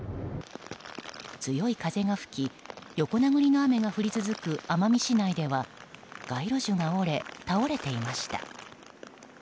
強い風が吹き横殴りの雨が降り続く奄美市内では街路樹が折れ、倒れていました。